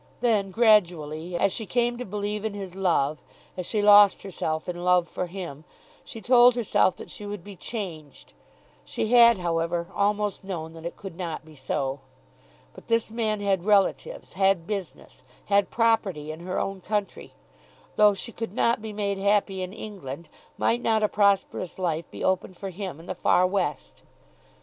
Then gradually, as she came to believe in his love, as she lost herself in love for him, she told herself that she would be changed. She had, however, almost known that it could not be so. But this man had relatives, had business, had property in her own country. Though she could not be made happy in England, might not a prosperous life be opened for him in the far West?